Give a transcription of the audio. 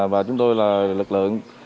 và chúng tôi là lực lượng